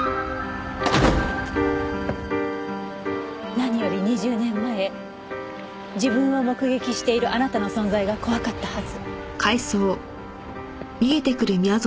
何より２０年前自分を目撃しているあなたの存在が怖かったはず。